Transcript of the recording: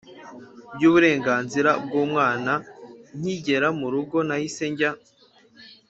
by'uburenganzira bw'umwana. nkigera mu rugo, nahise njya